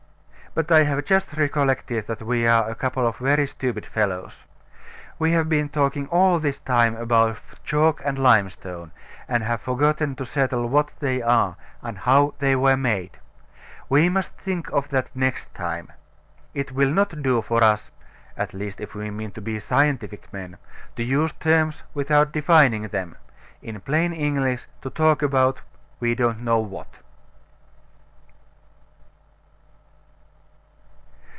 But I have just recollected that we are a couple of very stupid fellows. We have been talking all this time about chalk and limestone, and have forgotten to settle what they are, and how they were made. We must think of that next time. It will not do for us (at least if we mean to be scientific men) to use terms without defining them; in plain English, to talk about we don't know what.